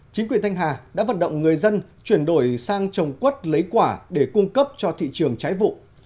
chính quyền thanh hà đã vận động người dân chuyển đổi sang trồng quất lấy quả để cung cấp cho thị trường trái vụ